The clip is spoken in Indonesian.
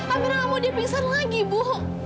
amira gak mau dia pingsan lagi bu